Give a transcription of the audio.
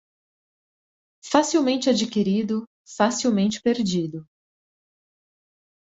Facilmente adquirido, facilmente perdido.